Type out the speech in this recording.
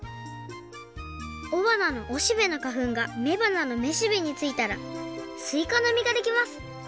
おばなのおしべのかふんがめばなのめしべについたらすいかのみができます。